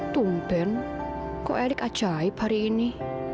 tumpen kok erik ajaib hari ini